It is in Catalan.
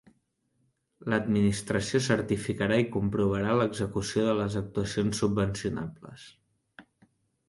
L'administració certificarà i comprovarà l'execució de les actuacions subvencionables.